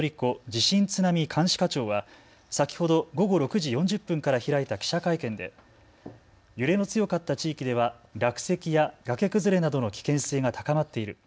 地震津波監視課長は先ほど午後６時４０分から開いた記者会見で、揺れの強かった地域では落石や崖崩れなどの危険性が高まっている。